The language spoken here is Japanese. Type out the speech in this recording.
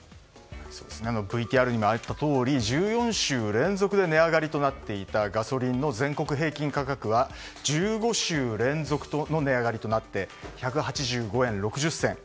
ＶＴＲにもあったとおり１４週連続で値上がりとなっていたガソリンの全国平均価格は１５週連続の値上がりとなって１８５円６０銭。